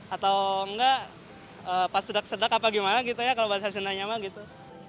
atau nggak pas sedak sedak apa gimana gitu ya kalau bahasa senayama gitu